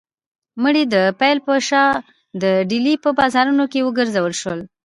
مړی د پیل په شا د ډیلي په بازارونو کې وګرځول شو.